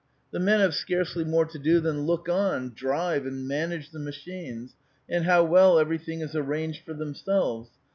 The men have scarcely more to do than look on, drive and manage the machines, and how well every thing is arranged for themselves